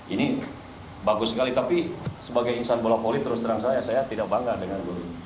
ini bagus sekali tapi sebagai insan bola voli terus terang saya saya tidak bangga dengan guru ini